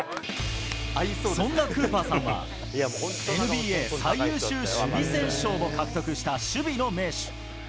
そんなクーパーさんは、ＮＢＡ最優秀守備選手賞も獲得した守備の名手。